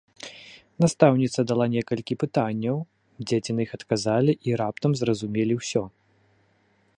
Настаўніца дала некалькі пытанняў, дзеці на іх адказалі і раптам зразумелі ўсё.